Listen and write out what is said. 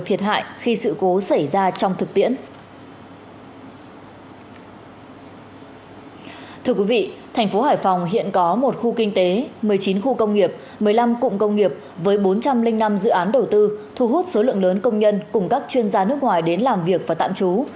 thưa quý vị thành phố hải phòng hiện có một khu kinh tế một mươi chín khu công nghiệp một mươi năm cụm công nghiệp với bốn trăm linh năm dự án đầu tư thu hút số lượng lớn công nhân cùng các chuyên gia nước ngoài đến làm việc và tạm trú